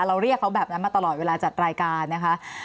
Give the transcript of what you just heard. เรียกเขาแบบนั้นมาตลอดเวลาจัดรายการนะคะ